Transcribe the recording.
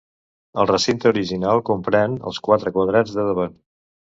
El recinte original comprèn els quatre quadrats de davant.